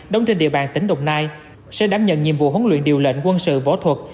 đóng trên địa bàn tỉnh đồng nai sẽ đảm nhận nhiệm vụ huấn luyện điều lệnh quân sự võ thuật